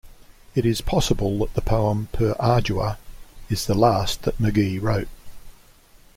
It is possible that the poem, "Per Ardua", is the last that Magee wrote.